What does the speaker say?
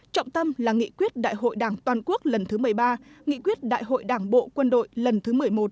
trọng tâm là nghị quyết đại hội đảng toàn quốc lần thứ một mươi ba nghị quyết đại hội đảng bộ quân đội lần thứ một mươi một